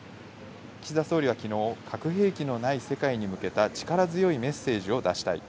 岸田総理はきのう、核兵器のない世界に向けた力強いメッセージを出したい。